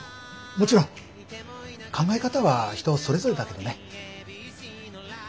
もちろん考え方は人それぞれだけどね。